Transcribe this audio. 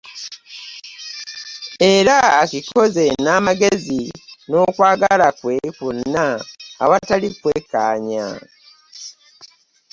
Era akikoze n'amagezi n'okwagala kwe kwonna awatali kwekkaanya.